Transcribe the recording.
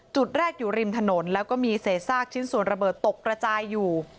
จุดแรกอยู่ริมถนนแล้วก็มีเศษซากชิ้นส่วนระเบิดตกกระจายอยู่